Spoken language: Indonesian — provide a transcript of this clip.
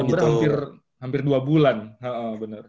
jember hampir hampir dua bulan bener